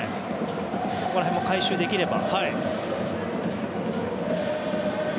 ここら辺も回収できれば。